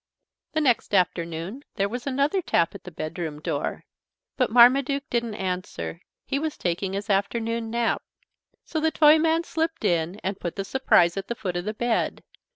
The next afternoon there was another tap at the bedroom door. But Marmaduke didn't answer. He was taking his afternoon nap. So the Toyman slipped in and put the surprise at the foot of the bed.